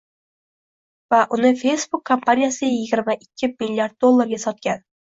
va uni «Facebook» kompaniyasiga yigirma ikki milliard dollarga sotgan